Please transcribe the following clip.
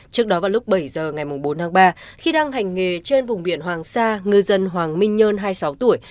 trước đó vào lúc bảy giờ ngày bốn tháng ba khi đang hành nghề trên vùng biển hoàng sa ngư dân hoàng minh nhơn hai mươi sáu tuổi